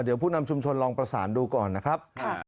เดี๋ยวผู้นำชุมชนลองประสานดูก่อนนะครับ